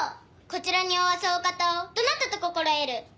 こちらにおわすお方をどなたと心得る！